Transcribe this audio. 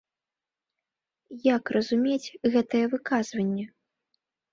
Як разумець гэтае выказванне?